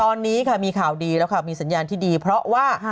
ตอนนี้ค่ะมีข่าวดีแล้วค่ะมีสัญญาณที่ดีเพราะว่า